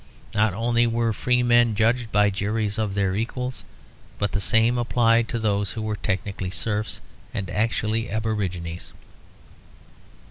Not only were free men judged by juries of their equals, but the same applied to those who were technically serfs and actually aborigines."